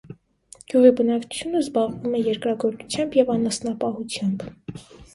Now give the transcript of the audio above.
Գյուղի բնակչությունը զբաղվում էր երկրագործությամբ և անասնապահությամբ։